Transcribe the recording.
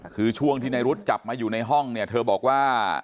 คือช่วงที่ในรุ๊ดจับมาอยู่ในห้องเนี่ยเธอบอกว่า